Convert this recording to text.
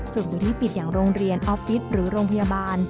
ส่วนมูลที่ปิดอย่างโรงเรียนออฟฟิศหรือโรงพยาบาล